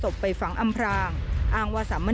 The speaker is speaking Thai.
จุดฝังศพสมเนติศาสตร์จังหวัดนครศรีธรรมราช